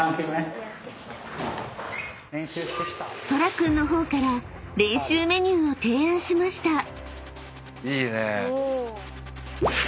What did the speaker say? ［そら君の方から練習メニューを提案しました］